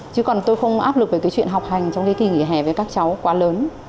chứ còn tôi không áp lực về cái chuyện học hành trong cái kỳ nghỉ hè với các cháu quá lớn